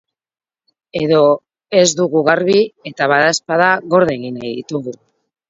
Edo ez dugu garbi eta badaezpada, gorde egin nahi ditugu.